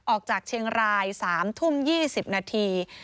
ออกจากเชียงราย๑๕๒๐นาที